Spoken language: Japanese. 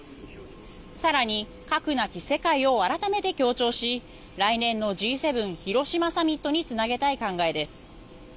更に、核なき世界を改めて強調し来年のＧ７広島サミットにつなげたい考えです。